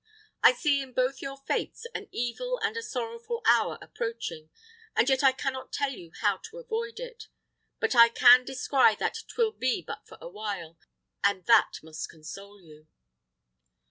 I see in both your fates an evil and a sorrowful hour approaching, and yet I cannot tell you how to avoid it; but I can descry that 'twill be but for a while, and that must console you."